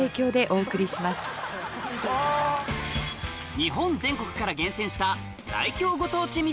日本全国から厳選した最強